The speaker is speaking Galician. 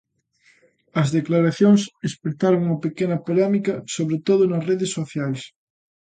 As declaracións espertaron unha pequena polémica, sobre todo nas redes sociais.